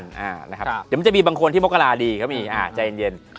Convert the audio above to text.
สงกราณนะครับเดี๋ยวมันจะมีบางคนที่โมกราณดีเขามีใจเย็น